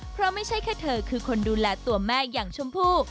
เพราะไม่ใช่แค่เธอคือคนดูแลตัวแม่อย่างชมพู่